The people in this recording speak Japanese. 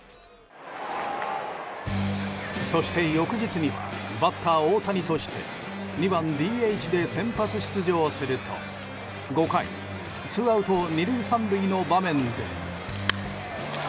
そして翌日にはバッター大谷として２番ＤＨで先発出場すると５回、ツーアウト２塁３塁の場面で。